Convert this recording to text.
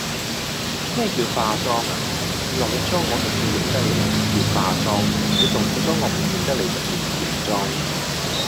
咩叫化妝啊，你落左妝我都認得你就叫化妝，你落左裝我唔認得你就叫喬裝!